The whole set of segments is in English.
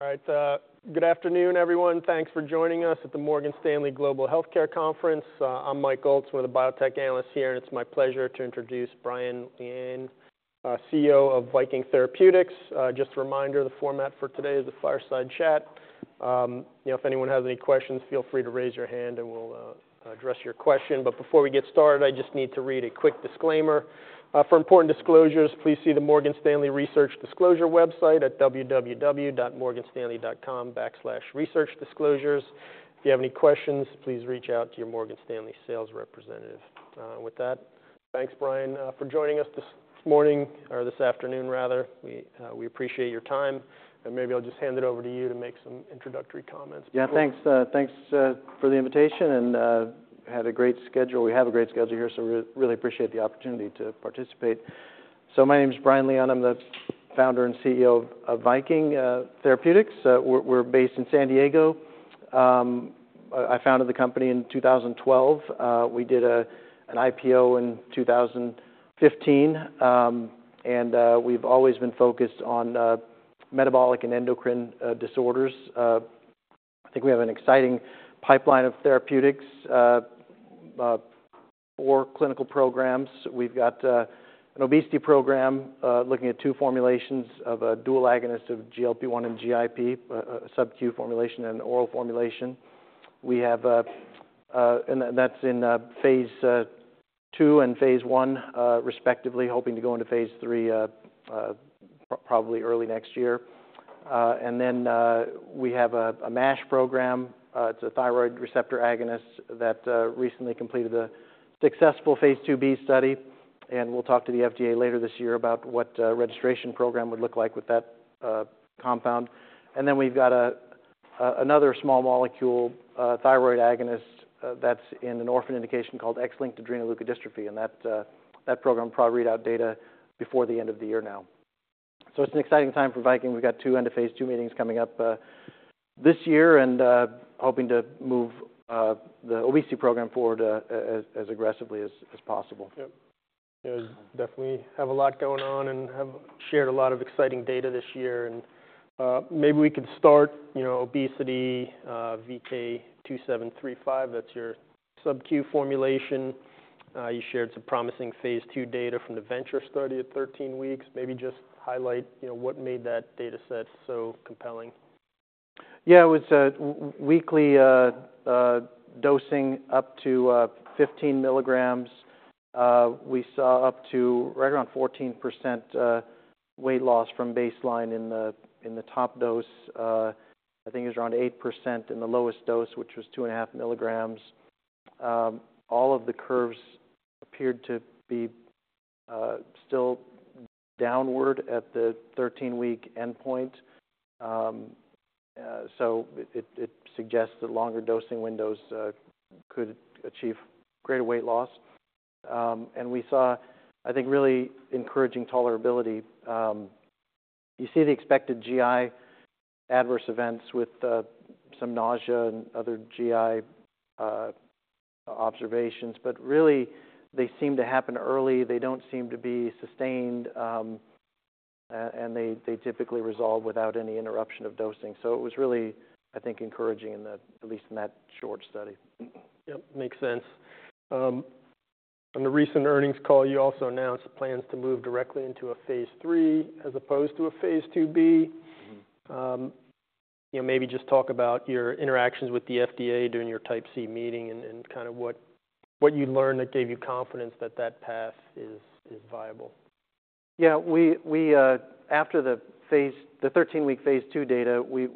All right, good afternoon, everyone. Thanks for joining us at the Morgan Stanley Global Healthcare Conference. I'm Mike Ulz, one of the Biotech Analysts here, and it's my pleasure to introduce Brian Lian, CEO of Viking Therapeutics. Just a reminder, the format for today is a fireside chat. You know, if anyone has any questions, feel free to raise your hand, and we'll address your question. But before we get started, I just need to read a quick disclaimer. "For important disclosures, please see the Morgan Stanley Research Disclosure website at www.morganstanley.com/researchdisclosures. If you have any questions, please reach out to your Morgan Stanley sales representative." With that, thanks, Brian, for joining us this morning or this afternoon, rather. We appreciate your time, and maybe I'll just hand it over to you to make some introductory comments. Yeah, thanks, thanks for the invitation and had a great schedule. We have a great schedule here, so we really appreciate the opportunity to participate. So my name is Brian Lian. I'm the Founder and CEO of Viking Therapeutics. We're based in San Diego. I founded the company in 2012. We did an IPO in 2015, and we've always been focused on metabolic and endocrine disorders. I think we have an exciting pipeline of therapeutics or clinical programs. We've got an obesity program looking at two formulations of a dual agonist of GLP-1 and GIP, SubQ formulation and an oral formulation. We have... And that, that's in phase II and phase I, respectively, hoping to go into phase III, probably early next year. And then we have a MASH program. It's a thyroid receptor agonist that recently completed a successful phase II-b study, and we'll talk to the FDA later this year about what a registration program would look like with that compound. And then we've got another small molecule thyroid agonist that's in an orphan indication called X-linked adrenoleukodystrophy, and that program will probably read out data before the end of the year now. So it's an exciting time for Viking. We've got two end of phase II meetings coming up this year and hoping to move the obesity program forward as aggressively as possible. Yep. You definitely have a lot going on and have shared a lot of exciting data this year, and, maybe we could start, you know, obesity, VK2735, that's your SubQ formulation. You shared some promising phase II data from the VENTURE study at 13 weeks. Maybe just highlight, you know, what made that dataset so compelling. Yeah, it was a weekly dosing up to 15 milligrams. We saw up to right around 14% weight loss from baseline in the top dose. I think it was around 8% in the lowest dose, which was 2.5 milligrams. All of the curves appeared to be still downward at the 13-week endpoint, so it suggests that longer dosing windows could achieve greater weight loss, and we saw, I think, really encouraging tolerability. You see the expected GI adverse events with some nausea and other GI observations, but really, they seem to happen early. They don't seem to be sustained, and they typically resolve without any interruption of dosing. So it was really, I think, encouraging in that, at least in that short study. Yep, makes sense. On the recent earnings call, you also announced plans to move directly into a phase III, as opposed to a phase II-b. You know, maybe just talk about your interactions with the FDA during your Type C meeting and kind of what you learned that gave you confidence that that path is viable? Yeah, after the 13-week phase II data, we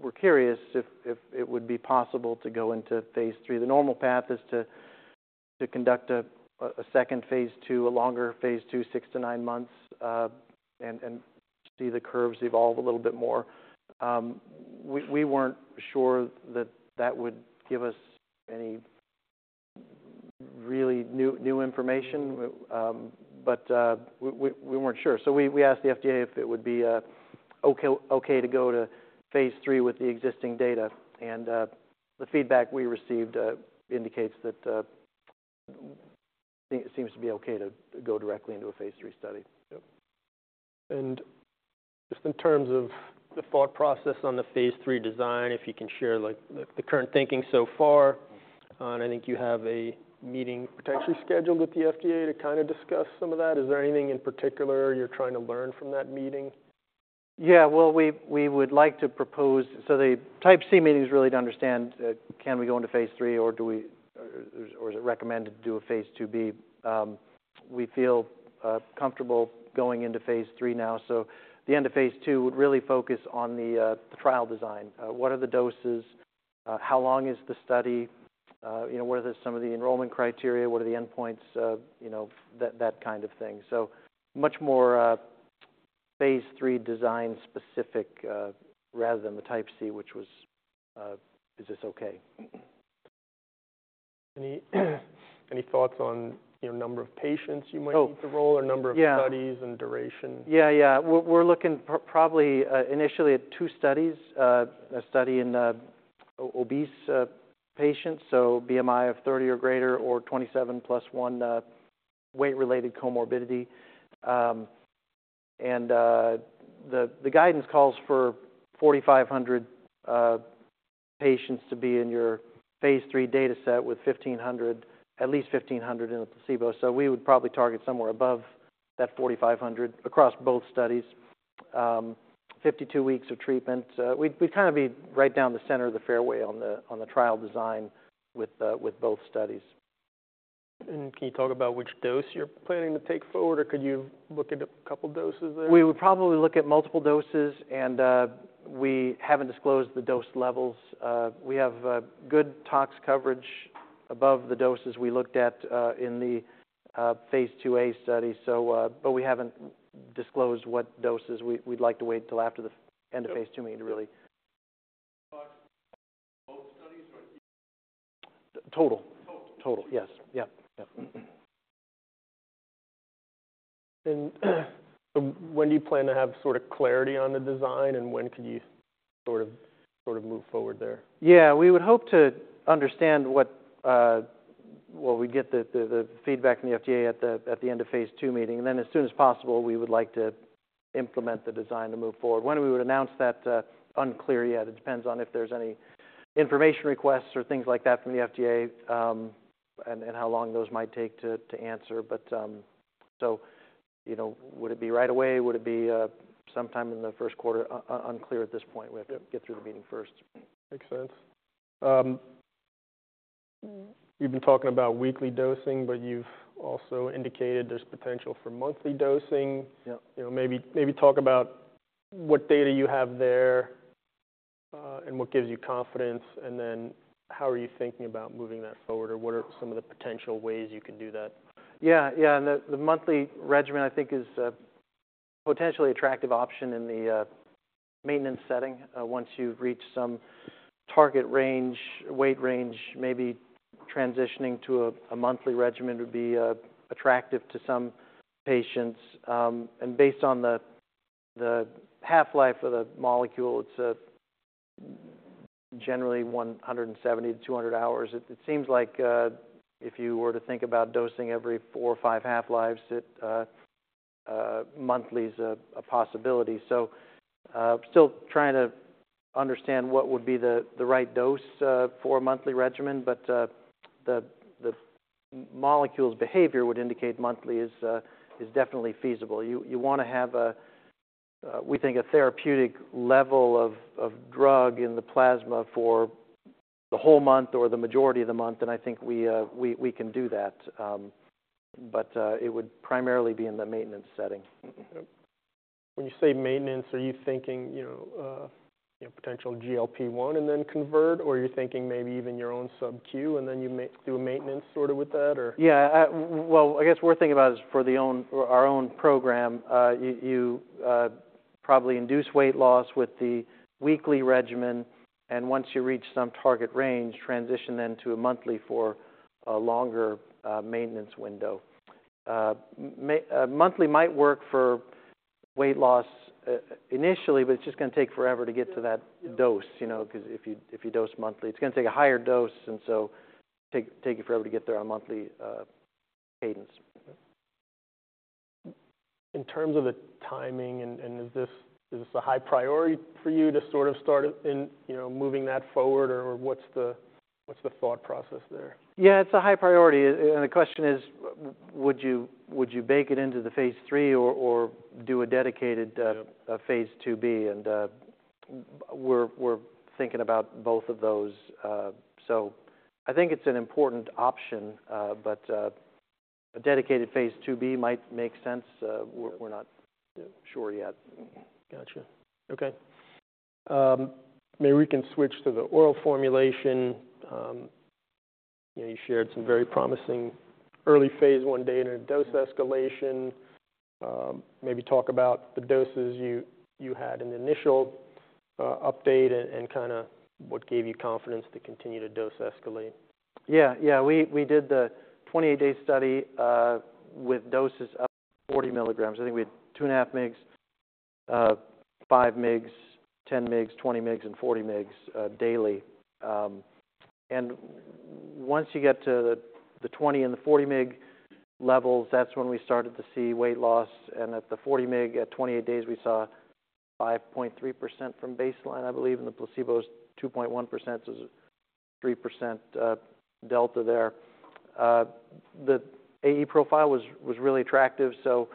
were curious if it would be possible to go into phase III. The normal path is to conduct a second phase II, a longer phase II, six to nine months, and see the curves evolve a little bit more. We weren't sure that would give us any really new information. But we weren't sure. So we asked the FDA if it would be okay to go to phase III with the existing data, and the feedback we received indicates that it seems to be okay to go directly into a phase III study. Yep. And just in terms of the thought process on the phase III design, if you can share, like, the current thinking so far, and I think you have a meeting potentially scheduled with the FDA to kind of discuss some of that. Is there anything, in particular, you're trying to learn from that meeting? Yeah, well, we would like to propose. The Type C meeting is really to understand, can we go into phase III, or do we, or is it recommended to do a phase II-b? We feel comfortable going into phase III now. The end of phase II would really focus on the trial design. What are the doses? How long is the study? You know, what are some of the enrollment criteria? What are the endpoints? You know, that kind of thing. So much more phase III design specific, rather than the Type C, which was, is this okay? Any thoughts on, you know, number of patients you might- Oh. - want to roll or number of- Yeah... studies and duration? Yeah, yeah. We're looking probably initially at two studies. A study in obese patients, so BMI of thirty or greater or twenty-seven plus one weight-related comorbidity, and the guidance calls for forty-five hundred patients to be in your phase III dataset, with fifteen hundred, at least fifteen hundred in the placebo. So we would probably target somewhere above that forty-five hundred across both studies. Fifty-two weeks of treatment. We'd kind of be right down the center of the fairway on the trial design with both studies. Can you talk about which dose you're planning to take forward, or could you look at a couple doses there? We would probably look at multiple doses, and we haven't disclosed the dose levels. We have good tox coverage above the doses we looked at in the phase IIa study, so... But we haven't disclosed what doses. We'd like to wait till after the end of phase II meeting to really- Talk both studies or- Total. Total. Total, yes. Yeah. Yeah. When do you plan to have sort of clarity on the design, and when can you sort of move forward there? Yeah, we would hope to understand what. Well, we get the feedback from the FDA at the end of phase II meeting. And then, as soon as possible, we would like to implement the design to move forward. When we would announce that, unclear yet. It depends on if there's any information requests or things like that from the FDA, and how long those might take to answer. But, so, you know, would it be right away? Would it be sometime in the first quarter? Unclear at this point. We have to get through the meeting first. Makes sense. You've been talking about weekly dosing, but you'e also indicated there's potential for monthly dosing. Yeah. You know, maybe, maybe talk about what data you have there, and what gives you confidence, and then, how are you thinking about moving that forward, or what are some of the potential ways you can do that? Yeah, yeah. The monthly regimen, I think, is a potentially attractive option in the maintenance setting. Once you've reached some target range, weight range, maybe transitioning to a monthly regimen would be attractive to some patients, and based on the half-life of the molecule, it's generally one hundred and seventy to two hundred hours. It seems like if you were to think about dosing every four or five half-lives, monthly is a possibility. So still trying to understand what would be the right dose for a monthly regimen, but the molecule's behavior would indicate monthly is definitely feasible. You wanna have a, we think, a therapeutic level of drug in the plasma for the whole month or the majority of the month, and I think we can do that. But it would primarily be in the maintenance setting. Mm-hmm. When you say maintenance, are you thinking, you know, you know, potential GLP-1 and then convert, or are you thinking maybe even your own subQ, and then you do a maintenance sort of with that, or? Yeah. Well, I guess we're thinking about is for our own program. You probably induce weight loss with the weekly regimen, and once you reach some target range, transition then to a monthly for a longer maintenance window. Monthly might work for weight loss initially, but it's just gonna take forever to get to that dose. You know, 'cause if you dose monthly, it's gonna take a higher dose, and so take you forever to get there on monthly cadence. In terms of the timing, and is this a high priority for you to sort of start in, you know, moving that forward, or what's the thought process there? Yeah, it's a high priority. And the question is, would you bake it into the phase III or do a dedicated phase II-b? And we're thinking about both of those. So I think it's an important option, but a dedicated phase II-b might make sense. We're not sure yet. Gotcha. Okay. Maybe we can switch to the oral formulation. You know, you shared some very promising early phase I data dose escalation. Maybe talk about the doses you had in the initial update and kinda what gave you confidence to continue to dose escalate? Yeah. Yeah, we did the twenty-eight-day study with doses up to forty milligrams. I think we had two and a half mgs, five mgs, ten mgs, twenty mgs and forty mgs daily. And once you get to the twenty and the forty mg levels, that's when we started to see weight loss, and at the forty mg, at twenty-eight days, we saw 5.3% from baseline, I believe, and the placebo's 2.1%. So 3% delta there. The AE profile was really attractive, so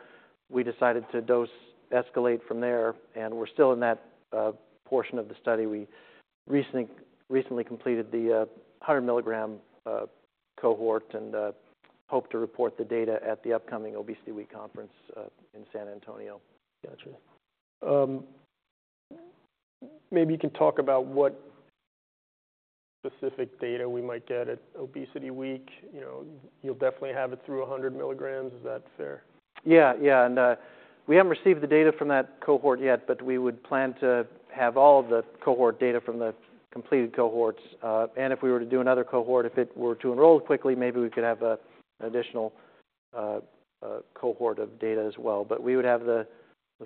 we decided to dose escalate from there, and we're still in that portion of the study. We recently completed the hundred-milligram cohort and hope to report the data at the upcoming ObesityWeek conference in San Antonio. Gotcha. Maybe you can talk about what specific data we might get at ObesityWeek. You know, you'll definitely have it through a hundred milligrams. Is that fair? Yeah. Yeah, and we haven't received the data from that cohort yet, but we would plan to have all of the cohort data from the completed cohorts. And if we were to do another cohort, if it were to enroll quickly, maybe we could have an additional cohort of data as well. But we would have the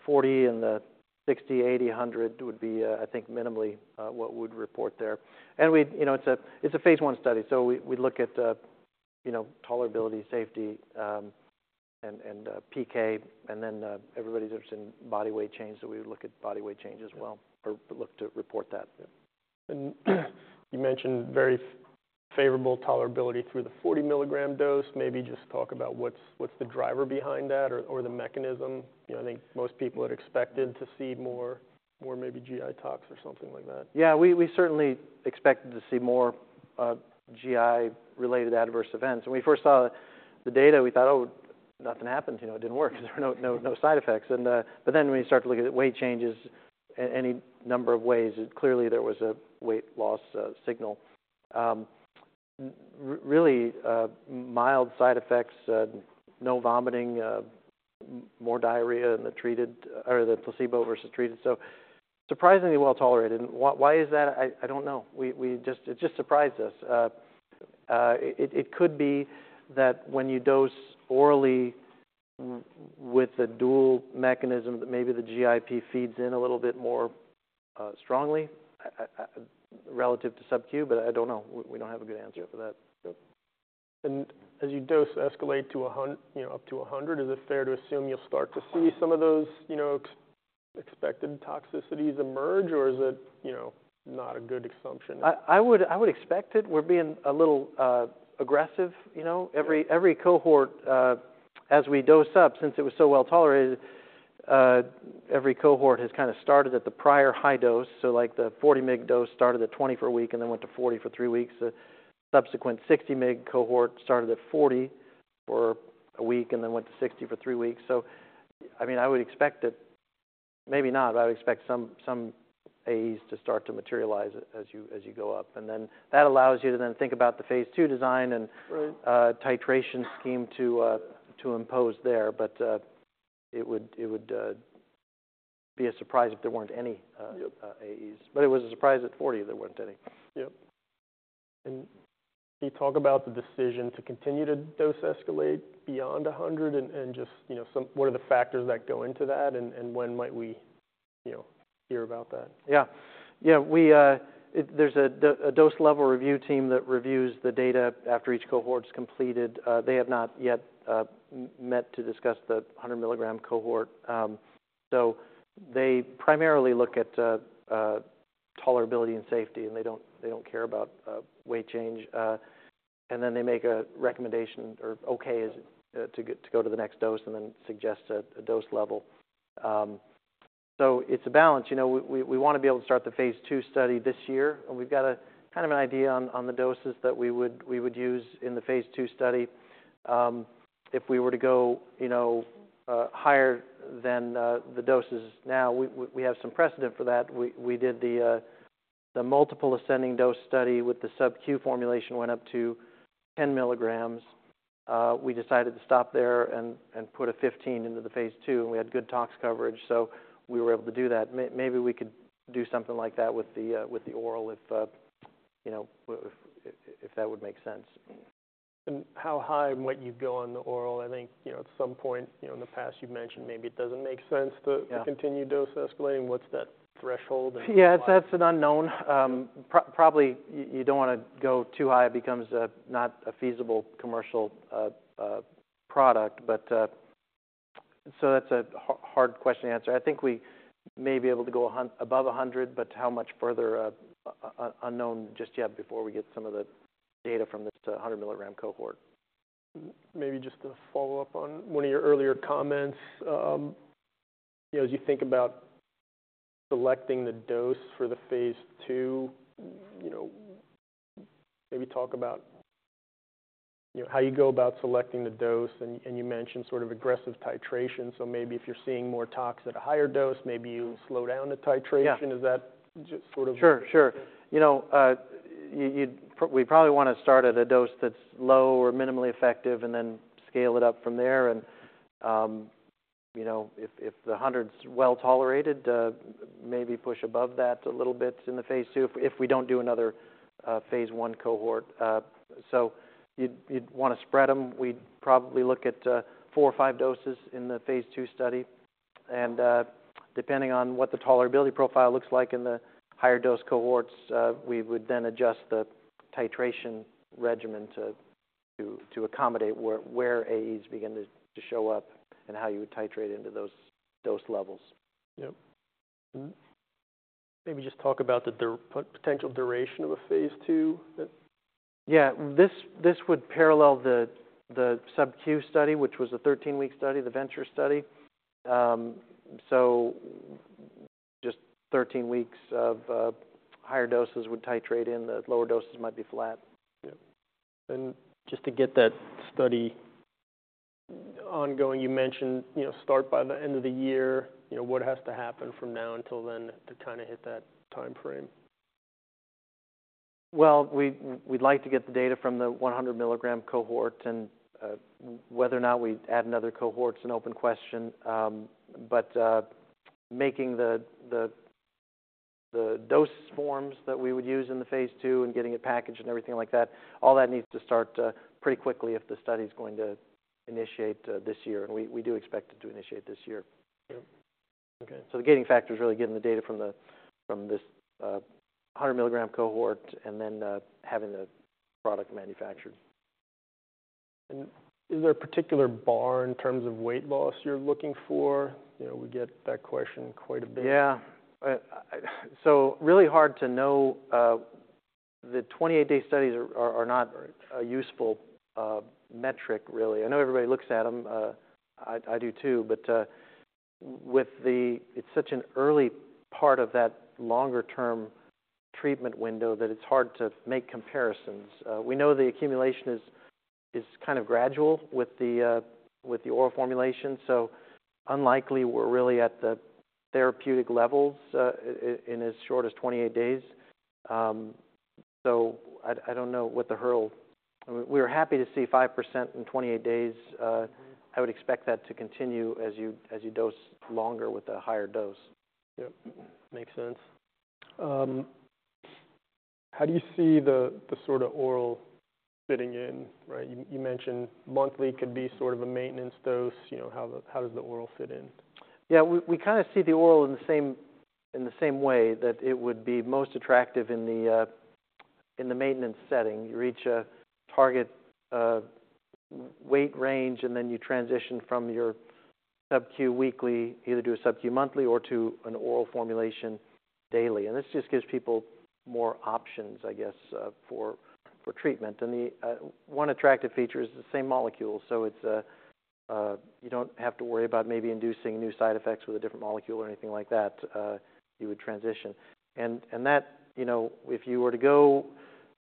40 and the 60, 80, 100 would be, I think, minimally, what we'd report there. And we'd you know, it's a phase I study, so we look at you know, tolerability, safety, and PK, and then everybody's interested in body weight change, so we would look at body weight change as well, or look to report that. You mentioned very favorable tolerability through the 40-milligram dose. Maybe just talk about what's the driver behind that or the mechanism? You know, I think most people had expected to see more maybe GI tox or something like that. Yeah, we certainly expected to see more GI-related adverse events. When we first saw the data, we thought, "Oh, nothing happened, you know, it didn't work. There were no, no, no side effects." But then, when you start to look at the weight changes any number of ways, clearly, there was a weight loss signal. Really mild side effects, no vomiting, more diarrhea in the placebo versus treated, so surprisingly well-tolerated. Why is that? I don't know. It just surprised us. It could be that when you dose orally with a dual mechanism, that maybe the GIP feeds in a little bit more strongly relative to SubQ, but I don't know. We don't have a good answer for that. Yep. And as you dose escalate to 100, you know, up to 100, is it fair to assume you'll start to see some of those, you know, expected toxicities emerge, or is it, you know, not a good assumption? I would expect it. We're being a little aggressive, you know? Yeah. Every cohort, as we dose up, since it was so well-tolerated, has kinda started at the prior high dose. So, like, the 40 mg dose started at 20 for a week, and then went to 40 for 3 weeks. The subsequent 60 mg cohort started at 40 for a week, and then went to 60 for 3 weeks. So, I mean, I would expect that... Maybe not, but I would expect some AEs to start to materialize as you go up. And then, that allows you to then think about the phase II design and- Right Titration scheme to impose there. But, it would be a surprise if there weren't any- Yep AEs. But it was a surprise at 40 there weren't any. Yep. And can you talk about the decision to continue to dose escalate beyond a hundred, and just, you know, some... What are the factors that go into that, and when might we, you know, hear about that? Yeah. Yeah, we, there's a dose level review team that reviews the data after each cohort's completed. They have not yet met to discuss the hundred-milligram cohort. So they primarily look at tolerability and safety, and they don't, they don't care about weight change. And then they make a recommendation, or, "Okay," as to go to the next dose, and then suggest a dose level. So it's a balance. You know, we wanna be able to start the phase II study this year, and we've got a kind of an idea on the doses that we would use in the phase II study. If we were to go, you know, higher than the doses, now, we have some precedent for that. We did the multiple ascending dose study with the SubQ formulation, went up to 10 milligrams. We decided to stop there and put a 15 into the phase II, and we had good tox coverage, so we were able to do that. Maybe we could do something like that with the oral, if you know if that would make sense. And how high might you go on the oral? I think, you know, at some point, you know, in the past, you've mentioned maybe it doesn't make sense to- Yeah Continue dose escalating. What's that threshold and- Yeah, that's an unknown. Probably, you don't wanna go too high, it becomes not a feasible commercial product. But, so that's a hard question to answer. I think we may be able to go above a hundred, but how much further, unknown just yet, before we get some of the data from this hundred-milligram cohort. Maybe just to follow up on one of your earlier comments. You know, as you think about selecting the dose for the phase II, you know, maybe talk about, you know, how you go about selecting the dose, and you mentioned sort of aggressive titration. So maybe if you're seeing more tox at a higher dose, maybe you slow down the titration. Yeah. Is that sort of- Sure, sure. You know, you'd probably wanna start at a dose that's low or minimally effective, and then scale it up from there, and you know, if the hundred's well-tolerated, maybe push above that a little bit in the phase II, if we don't do another phase I cohort, so you'd wanna spread them. We'd probably look at four or five doses in the phase II study, and depending on what the tolerability profile looks like in the higher dose cohorts, we would then adjust the titration regimen to accommodate where AEs begin to show up and how you would titrate into those dose levels. Yep. Mm-hmm. Maybe just talk about the duration. What potential duration of a phase II that- Yeah. This would parallel the SubQ study, which was a thirteen-week study, the VENTURE study. So just thirteen weeks of higher doses would titrate in, the lower doses might be flat. Yep. And just to get that study ongoing, you mentioned, you know, start by the end of the year. You know, what has to happen from now until then to kinda hit that timeframe? We'd like to get the data from the 100-milligram cohort, and whether or not we add another cohort's an open question. But making the dose forms that we would use in the phase II, and getting it packaged and everything like that, all that needs to start pretty quickly if the study's going to initiate this year, and we do expect it to initiate this year. Yep. Okay. So the gating factor is really getting the data from this hundred-milligram cohort, and then having the product manufactured. Is there a particular bar in terms of weight loss you're looking for? You know, we get that question quite a bit. Yeah, so really hard to know the 28-day studies are not a useful metric, really. I know everybody looks at them. I do, too, but it's such an early part of that longer-term treatment window that it's hard to make comparisons. We know the accumulation is kind of gradual with the oral formulation, so unlikely we're really at the therapeutic levels in as short as 28 days. I don't know what the hurdle. We were happy to see 5% in 28 days. I would expect that to continue as you dose longer with a higher dose. Yep. Makes sense. How do you see the sort of oral fitting in, right? You mentioned monthly could be sort of a maintenance dose. You know, how does the oral fit in? Yeah, we kind of see the oral in the same, in the same way, that it would be most attractive in the maintenance setting. You reach a target weight range, and then you transition from your SubQ weekly, either do a SubQ monthly or to an oral formulation daily. And this just gives people more options, I guess, for treatment. And the one attractive feature is the same molecule, so it's. You don't have to worry about maybe inducing new side effects with a different molecule or anything like that, you would transition. And that, you know, if you were to go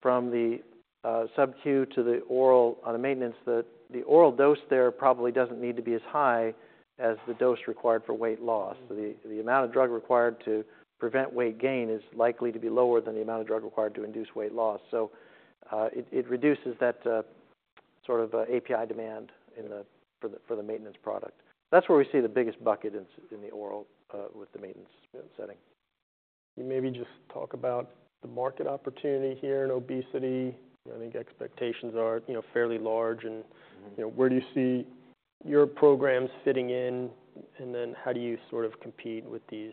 from the SubQ to the oral on a maintenance, the oral dose there probably doesn't need to be as high as the dose required for weight loss. Mm-hmm. The amount of drug required to prevent weight gain is likely to be lower than the amount of drug required to induce weight loss, so it reduces that sort of API demand for the maintenance product. That's where we see the biggest bucket in the oral with the maintenance setting. Can you maybe just talk about the market opportunity here in obesity? I think expectations are, you know, fairly large, and- Mm-hmm You know, where do you see your programs fitting in? And then, how do you sort of compete with these,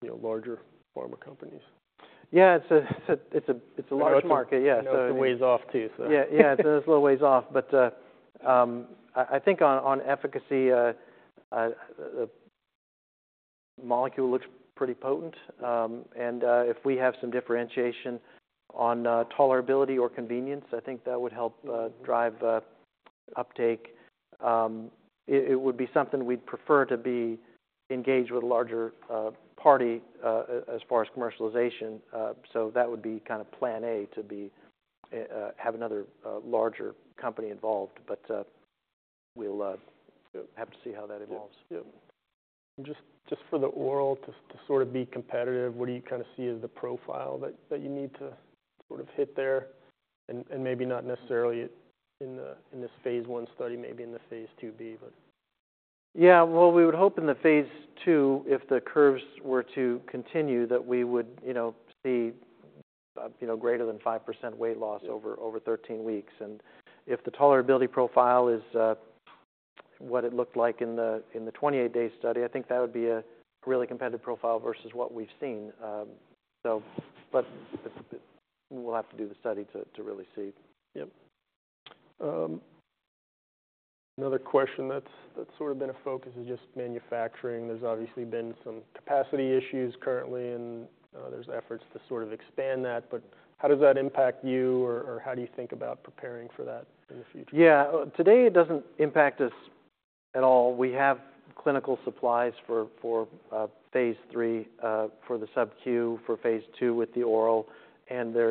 you know, larger pharma companies? Yeah, it's a large market. Yeah. It weighs off, too. Yeah, yeah, it's a little ways off. But I think on efficacy the molecule looks pretty potent. And if we have some differentiation on tolerability or convenience, I think that would help drive uptake. It would be something we'd prefer to be engaged with a larger party as far as commercialization. So that would be kind of plan A, to have another larger company involved. But we'll have to see how that evolves. Yeah. Just for the oral to sort of be competitive, what do you kind of see as the profile that you need to sort of hit there? And maybe not necessarily in this phase I study, maybe in the phase II-b, but. Yeah. Well, we would hope in the phase II, if the curves were to continue, that we would, you know, see, you know, greater than 5% weight loss- Yep... over 13 weeks. And if the tolerability profile is what it looked like in the 28-day study, I think that would be a really competitive profile versus what we've seen. So, but we'll have to do the study to really see. Yep. Another question that's sort of been a focus is just manufacturing. There's obviously been some capacity issues currently, and there's efforts to sort of expand that. But how does that impact you, or how do you think about preparing for that in the future? Yeah. Today, it doesn't impact us at all. We have clinical supplies for phase III for the SubQ, for phase II with the oral, and there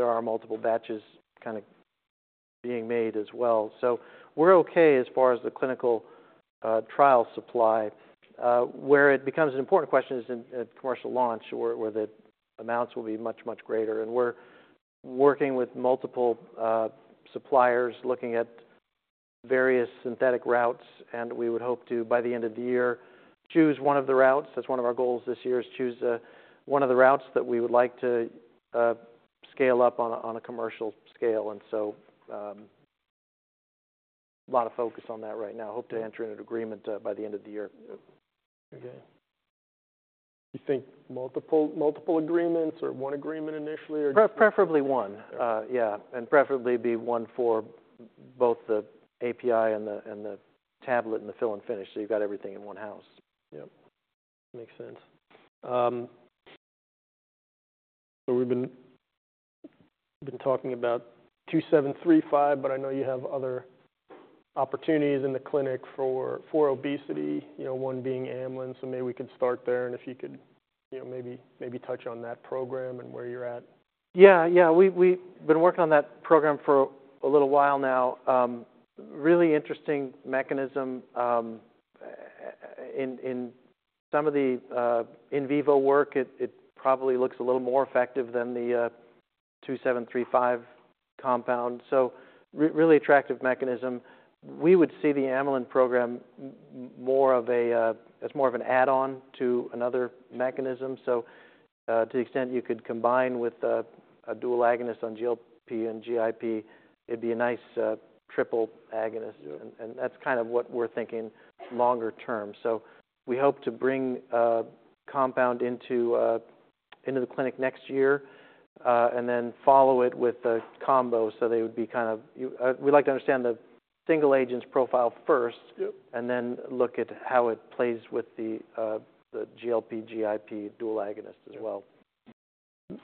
are multiple batches kind of being made as well. So we're okay as far as the clinical trial supply. Where it becomes an important question is in commercial launch, where the amounts will be much, much greater. And we're working with multiple suppliers, looking at various synthetic routes, and we would hope to, by the end of the year, choose one of the routes. That's one of our goals this year, is choose one of the routes that we would like to scale up on a commercial scale. And so, a lot of focus on that right now. Hope to enter into an agreement by the end of the year. Yep. Okay. You think multiple, multiple agreements or one agreement initially, or? Preferably one. Yep. Yeah, and preferably be one for both the API and the tablet, and the fill and finish, so you've got everything in one house. Yep. Makes sense. So we've been talking about 2735, but I know you have other opportunities in the clinic for obesity, you know, one being amylin, so maybe we can start there, and if you could, you know, touch on that program and where you're at. Yeah, yeah. We've been working on that program for a little while now. Really interesting mechanism. In some of the in vivo work, it probably looks a little more effective than the 2735 compound. So really attractive mechanism. We would see the amylin program more of a, as more of an add-on to another mechanism. So, to the extent you could combine with a dual agonist on GLP and GIP, it'd be a nice triple agonist. Yeah. That's kind of what we're thinking longer term, so we hope to bring a compound into the clinic next year, and then follow it with a combo, so they would be kind of- we'd like to understand the single agent's profile first- Yep. and then look at how it plays with the GLP/GIP dual agonist as well.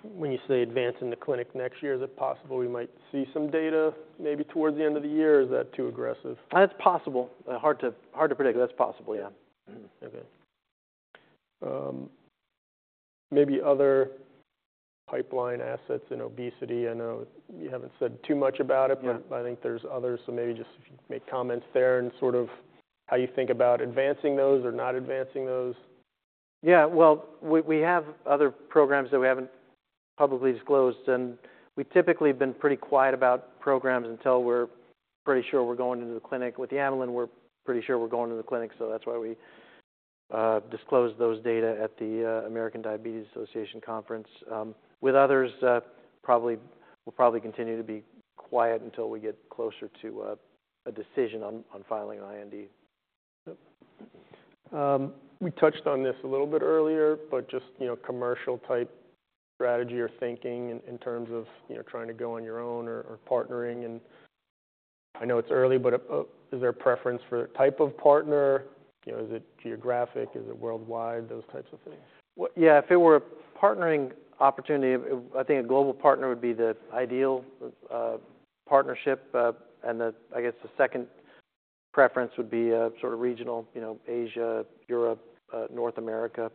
When you say advance in the clinic next year, is it possible we might see some data maybe towards the end of the year, or is that too aggressive? That's possible. Hard to predict, but that's possible, yeah. Mm-hmm. Okay. Maybe other pipeline assets in obesity. I know you haven't said too much about it- Yeah. but I think there's others, so maybe just if you make comments there and sort of how you think about advancing those or not advancing those. Yeah, well, we have other programs that we haven't publicly disclosed, and we typically have been pretty quiet about programs until we're pretty sure we're going into the clinic. With the amylin, we're pretty sure we're going into the clinic, so that's why we disclosed those data at the American Diabetes Association Conference. With others, we'll probably continue to be quiet until we get closer to a decision on filing an IND. Yep. We touched on this a little bit earlier, but just, you know, commercial-type strategy or thinking in terms of, you know, trying to go on your own or partnering, and I know it's early, but is there a preference for type of partner? You know, is it geographic? Is it worldwide? Those types of things. Yeah, if it were a partnering opportunity, I think a global partner would be the ideal partnership. And, I guess, the second preference would be a sort of regional, you know, Asia, Europe, North America.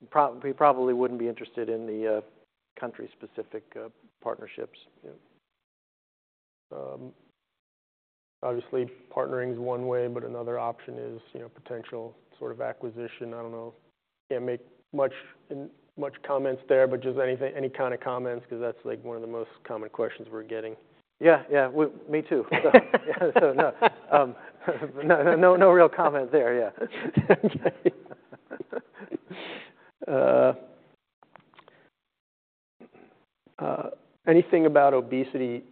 We probably wouldn't be interested in the country-specific partnerships. Yep. Obviously, partnering is one way, but another option is, you know, potential sort of acquisition. I don't know. Can't make much comment there, but just anything, any kind of comments, 'cause that's, like, one of the most common questions we're getting. Yeah, yeah. Well, me too. So, no. No real comment there, yeah. Okay. Anything about obesity,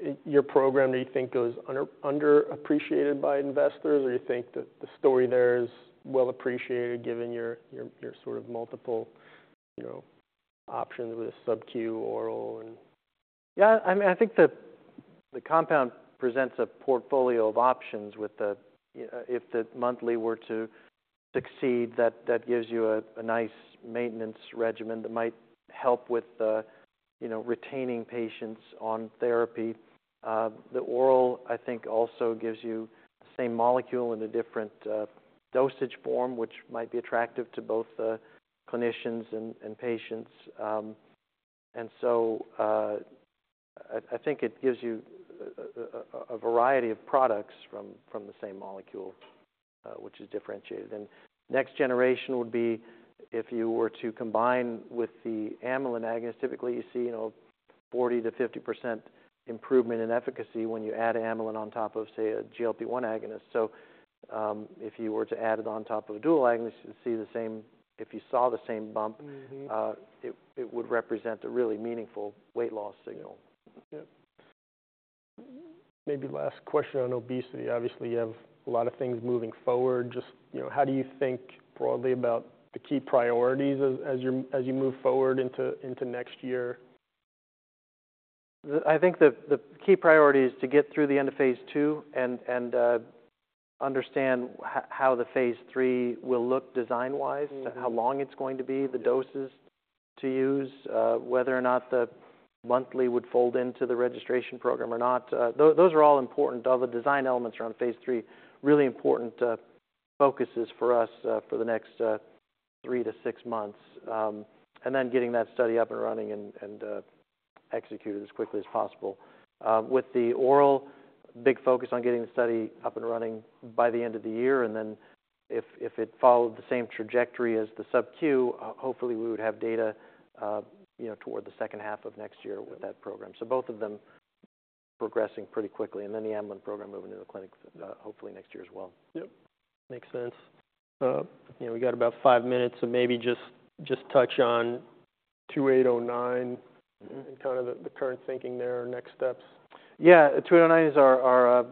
in your program, do you think goes underappreciated by investors, or you think that the story there is well appreciated, given your sort of multiple, you know, options with SubQ, oral, and- Yeah, I mean, I think the compound presents a portfolio of options with the, if the monthly were to succeed, that gives you a nice maintenance regimen that might help with, you know, retaining patients on therapy. The oral, I think, also gives you the same molecule in a different, dosage form, which might be attractive to both the clinicians and patients. And so, I think it gives you a variety of products from the same molecule, which is differentiated. Next generation would be if you were to combine with the amylin agonist. Typically, you see, you know, 40%-50% improvement in efficacy when you add amylin on top of, say, a GLP-1 agonist. So, if you were to add it on top of a dual agonist, you'd see the same... If you saw the same bump- Mm-hmm... it would represent a really meaningful weight loss signal. Yep. Maybe last question on obesity. Obviously, you have a lot of things moving forward. Just, you know, how do you think broadly about the key priorities as you move forward into next year? I think the key priority is to get through the end of phase II and understand how the phase III will look design-wise. Mm-hmm... how long it's going to be, the doses to use, whether or not the monthly would fold into the registration program or not. Those are all important. All the design elements around phase III, really important, focuses for us, for the next three to six months. And then getting that study up and running and executed as quickly as possible. Yep. With the oral, big focus on getting the study up and running by the end of the year, and then if it followed the same trajectory as the SubQ, hopefully, we would have data, you know, toward the second half of next year with that program. So both of them progressing pretty quickly, and then the amylin program moving to the clinic, hopefully next year as well. Yep, makes sense. You know, we got about five minutes, so maybe just touch on 2809 Mm-hmm And kind of the current thinking there or next steps. Yeah, 2809 is our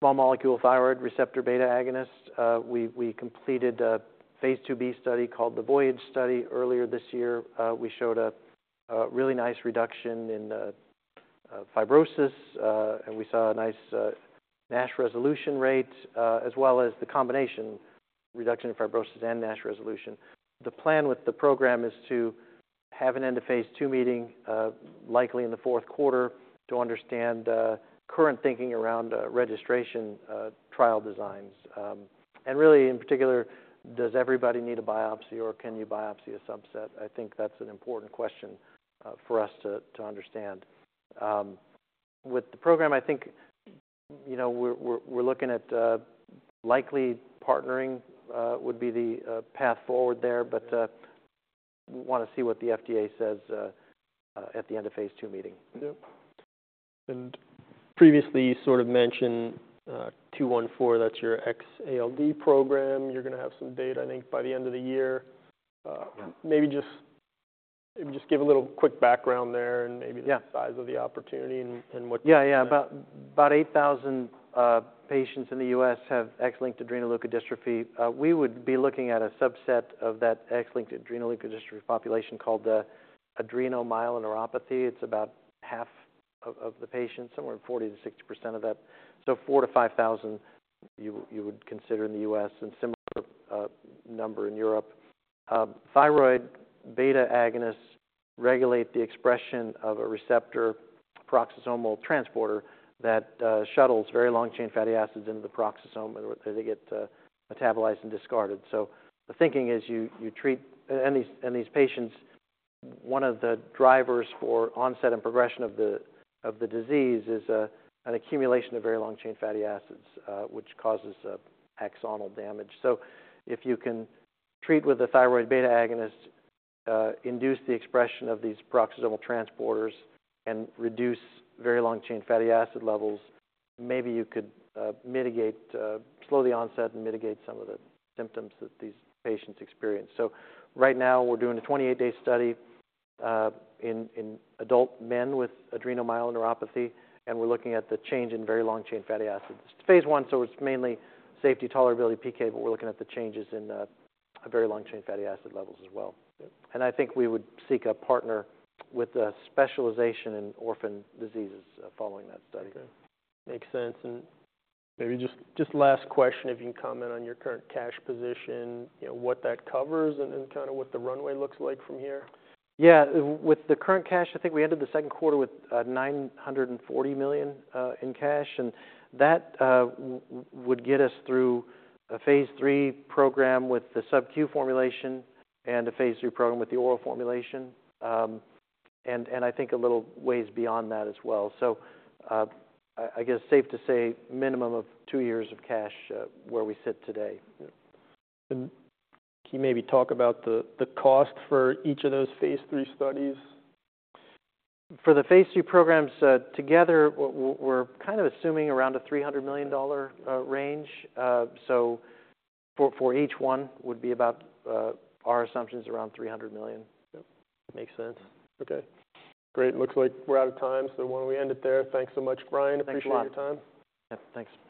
small molecule thyroid receptor beta agonist. We completed a phase II-b study, called the VOYAGE study, earlier this year. We showed a really nice reduction in the fibrosis, and we saw a nice NASH resolution rate, as well as the combination reduction in fibrosis and NASH resolution. The plan with the program is to have an end-of-phase II meeting, likely in the fourth quarter, to understand current thinking around registration trial designs. And really, in particular, does everybody need a biopsy, or can you biopsy a subset? I think that's an important question for us to understand. With the program, I think-... You know, we're looking at likely partnering would be the path forward there, but we wanna see what the FDA says at the end of phase II meeting. Yep. And previously, you sort of mentioned, 0214, that's your X-ALD program. You're gonna have some data, I think, by the end of the year. Yeah. Maybe just give a little quick background there. Yeah and maybe the size of the opportunity and what- Yeah. About 8,000 patients in the U.S. have X-linked adrenoleukodystrophy. We would be looking at a subset of that X-linked adrenoleukodystrophy population called the adrenomyeloneuropathy. It's about half of the patients, somewhere 40%-60% of that. So 4,000-5,000 you would consider in the U.S., and similar number in Europe. Thyroid beta agonists regulate the expression of a receptor peroxisomal transporter that shuttles very long-chain fatty acids into the peroxisome, where they get metabolized and discarded. So the thinking is you treat... And these patients, one of the drivers for onset and progression of the disease is an accumulation of very long-chain fatty acids, which causes axonal damage. So if you can treat with a thyroid beta agonist, induce the expression of these peroxisomal transporters, and reduce very long-chain fatty acid levels, maybe you could mitigate, slow the onset and mitigate some of the symptoms that these patients experience. So right now, we're doing a 28-day study in adult men with adrenomyeloneuropathy, and we're looking at the change in very long-chain fatty acids. It's phase I, so it's mainly safety, tolerability, PK, but we're looking at the changes in the very long-chain fatty acid levels as well. Yep. I think we would seek a partner with a specialization in orphan diseases, following that study. Okay. Makes sense, and maybe just last question, if you can comment on your current cash position, you know, what that covers, and then kinda what the runway looks like from here? Yeah. With the current cash, I think we ended the second quarter with $940 million in cash, and that would get us through a phase III program with the SubQ formulation and a phase III program with the oral formulation. And I think a little ways beyond that as well. So, I guess safe to say minimum of two years of cash where we sit today. Yeah. And can you maybe talk about the cost for each of those phase III studies? For the phase III programs, together, we're kind of assuming around a $300 million range. So for each one would be about, our assumption is around $300 million. Yep, makes sense. Okay, great. Looks like we're out of time, so why don't we end it there? Thanks so much, Brian. Thanks a lot. Appreciate your time. Yep, thanks.